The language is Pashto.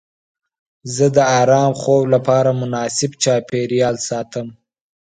زه د ارام خوب لپاره مناسب چاپیریال ساتم.